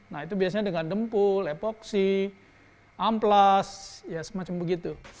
nah itu biasanya dengan dempul epoksi amplas ya semacam begitu